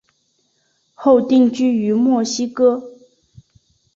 后定居于墨西哥。